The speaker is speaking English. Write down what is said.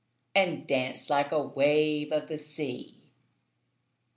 'And dance like a wave of the sea.